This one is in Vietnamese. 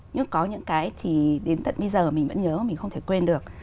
nhưng có những cái thì đến tận bây giờ mình vẫn nhớ mình không thể quên được